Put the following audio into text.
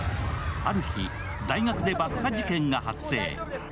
ある日、大学で爆破事件が発生。